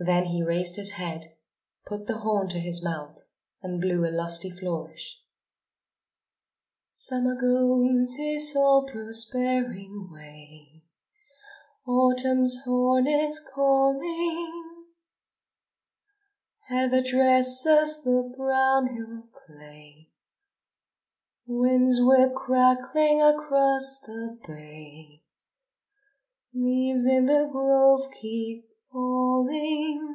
Then he raised his head, put the horn to his mouth and blew a lusty flourish: Summer goes his all prospering way, Autumn's horn is calling. Heather dresses the brown hill clay, Winds whip crackling across the bay, Leaves in the grove keep falling.